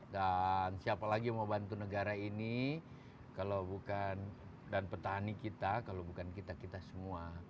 dan siapa lagi mau bantu negara ini kalau bukan dan petani kita kalau bukan kita kita semua